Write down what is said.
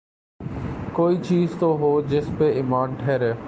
کوئی چیز تو ہو جس پہ ایمان ٹھہرے۔